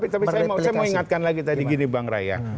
saya ingatkan lagi tadi bang raya